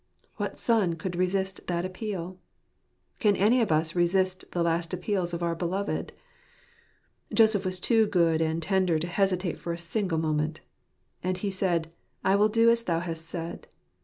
What son could resist that appeal ? Can any of us resist the last appeals of our beloved? Joseph was too good and tender to hesitate for a single moment. " And he said, I will do as thou hast said."